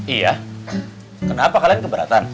iya kenapa kalian keberatan